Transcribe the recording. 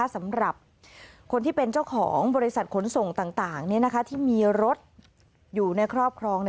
สำหรับคนที่เป็นเจ้าของบริษัทขนส่งต่างที่มีรถอยู่ในครอบครอง